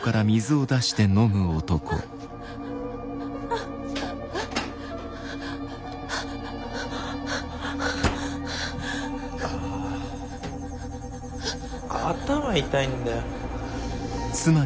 あ頭痛いんだよ。